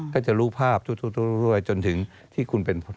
ก็จะรู้ภาพทุกทุ่งที่คุณเป็น